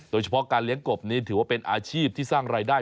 โดยเฉพาะการเลี้ยงกบนี้ถือว่าเป็นอาชีพที่สร้างรายได้